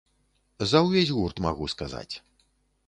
За ўвесь гурт магу сказаць.